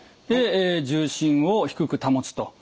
で重心を低く保つと。